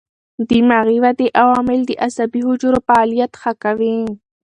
دماغي ودې عوامل د عصبي حجرو فعالیت ښه کوي.